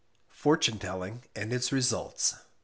FORTUNE TELLING AND ITS RESULTS.